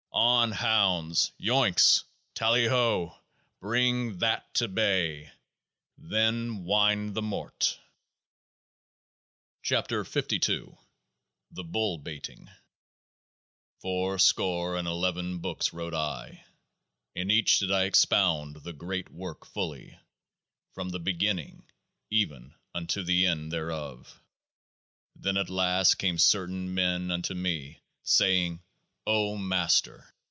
On, hounds ! Yoicks ! Tally ho ! Bring THAT to bay ! Then, wind the Mort ! 66 KEOAAH NB THE BULL BAITING Fourscore and eleven books wrote I ; in each did I expound THE GREAT WORK fully, from The beginning even unto The End thereof. Then at last came certain men unto me, saying : O Master